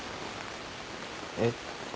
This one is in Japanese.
えっ？